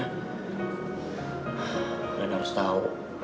kalian harus tau